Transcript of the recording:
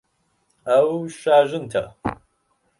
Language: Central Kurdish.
ئەو شاژنتە.